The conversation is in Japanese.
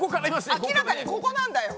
明らかにここなんだよ。